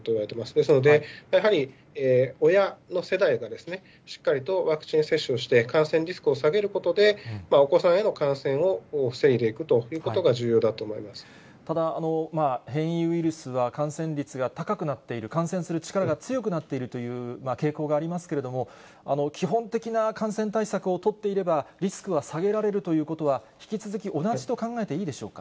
ですので、やはり親の世代が、しっかりとワクチン接種をして、感染リスクを下げることで、お子さんへの感染を防いでいくとただ、変異ウイルスは感染率が高くなっている、感染する力が強くなっているという傾向がありますけれども、基本的な感染対策を取っていれば、リスクは下げられるということは、引き続き同じと考えていいでしょうか。